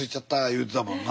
言うてたもんな。